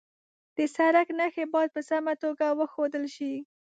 د سړک نښې باید په سمه توګه وښودل شي.